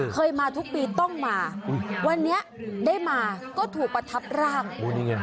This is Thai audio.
เคยมาทุกปีต้องมาวันนี้ได้มาก็ถูกประทับร่างโอ้นี่ไง